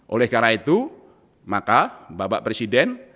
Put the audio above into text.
oleh karena itu maka bapak presiden